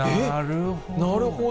なるほど。